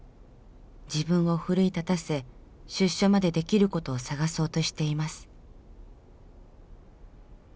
自分を奮い立たせ出所までできることを探そうとしています。